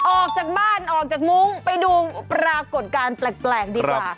ออกจากบ้านออกจากมุ้งไปดูปรากฏการณ์แปลกดีกว่า